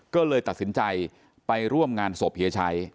ก็เลยตัดสินใจไปร่วมงานศพเฮียชัย